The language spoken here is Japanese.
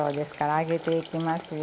上げていきますよ。